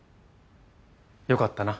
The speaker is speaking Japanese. よかったな。